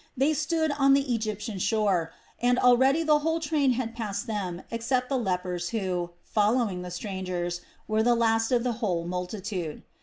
They stood on the Egyptian shore, and already the whole train had passed them except the lepers who, following the strangers, were the last of the whole multitude.